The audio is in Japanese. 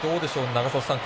永里さん